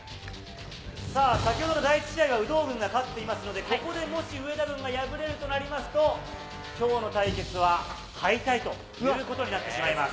さあ、先ほどの第１試合は有働軍が勝っていますので、ここでもし上田軍が敗れるとなりますと、きょうの対決は敗退ということになってしまいます。